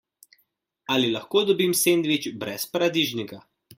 Ali lahko dobim sendvič brez paradižnika?